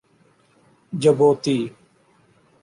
Djibouti